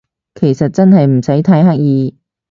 其實真係唔使太刻意